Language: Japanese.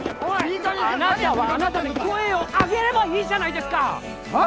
あなたはあなたで声を上げればいいじゃないですかはあ？